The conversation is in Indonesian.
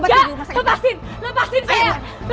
tidak lepasin lepasin saya